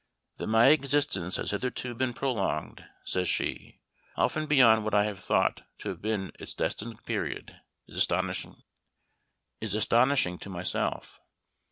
"That my existence has hitherto been prolonged," says she, "often beyond what I have thought to have been its destined period, is astonishing to myself.